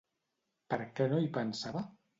Per què no hi pensava?